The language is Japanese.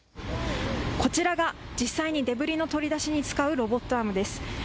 こちらが実際にデブリの取り出しに使うロボットアームです。